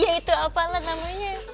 ya itu apalah namanya